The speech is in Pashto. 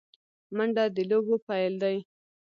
منډه د لوبو پیل دی